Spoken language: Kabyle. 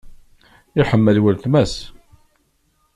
Iḥemmel wletma-s.